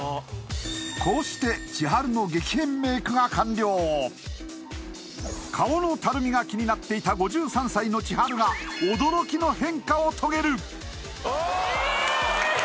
こうしてちはるの顔のたるみが気になっていた５３歳のちはるが驚きの変化を遂げるあーっえーっ